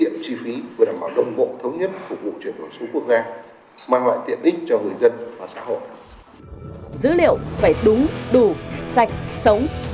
bộ công an luôn luôn sẵn sàng